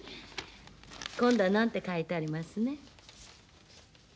今度は何て書いてありますねん。